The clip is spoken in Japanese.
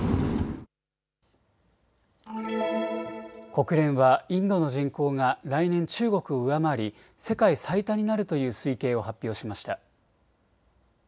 国連はインドの人口が来年、中国を上回り世界最多になるという推計を発表しました。